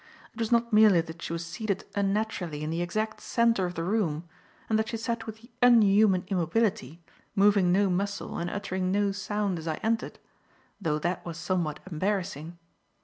It was not merely that she was seated unnaturally in the exact centre of the room and that she sat with unhuman immobility, moving no muscle and uttering no sound as I entered, though that was somewhat embarrassing.